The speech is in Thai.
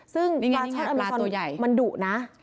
ซึ่งปลาช่อนอเมซอนมันดุนะ